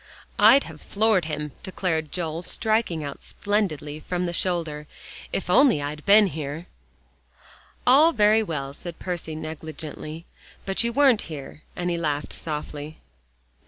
"I'd have floored him," declared Joel, striking out splendidly from the shoulder, "if I'd only have been here." "All very well," said Percy negligently, "but you weren't here," and he laughed softly.